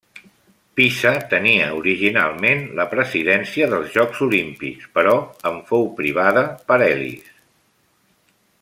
Pisa tenia originalment la presidència dels jocs olímpics però en fou privada per Elis.